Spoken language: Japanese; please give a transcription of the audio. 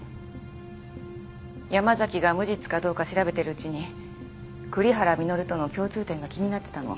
山崎が無実かどうか調べているうちに栗原稔との共通点が気になってたの。